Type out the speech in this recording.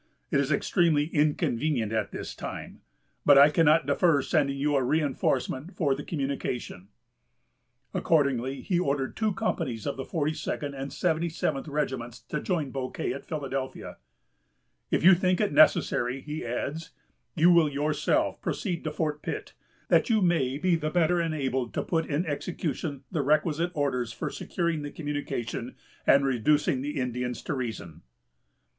It is extremely inconvenient at this time; ... but I cannot defer sending you a reinforcement for the communication." Accordingly he ordered two companies of the 42d and 77th regiments to join Bouquet at Philadelphia. "If you think it necessary," he adds, "you will yourself proceed to Fort Pitt, that you may be the better enabled to put in execution the requisite orders for securing the communication and reducing the Indians to reason."